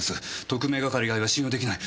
特命係以外は信用できない。